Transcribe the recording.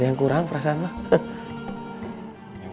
ih jangan pegang pegang